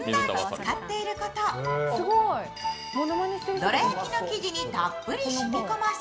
どら焼きの生地にたっぷりしみこませ